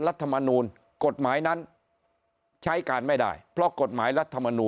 รัฐมนูลกฎหมายนั้นใช้การไม่ได้เพราะกฎหมายรัฐมนูล